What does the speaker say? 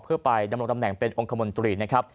เพื่อไปดำรงตำแหน่งเป็นองค์คมนตรีนะครับ